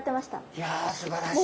いやすばらしいです。